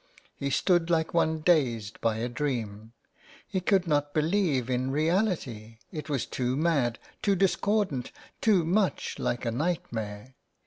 He stood like one dazed by a dream. He could not believe in reality, it was too mad, too discordant, too much like a nightmare.